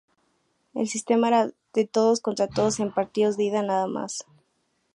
El sistema era de todos contra todos, en partidos de ida nada más.